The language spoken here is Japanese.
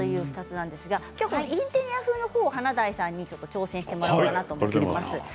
インテリア風のものを華大さんに挑戦してもらおうと思います。